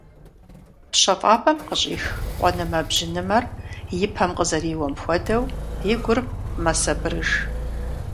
ПщэфӀапӀэм къыщӀих къуэнымэ-бжьынымэр и пэм къызэриуэм хуэдэу, и гур мэсабырыж.